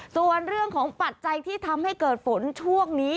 ส่วนเรื่องของปัจจัยที่ทำให้เกิดฝนช่วงนี้